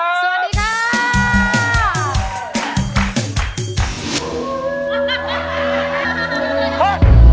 สวัสดีค่ะ